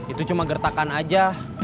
itu cuma gertakan aja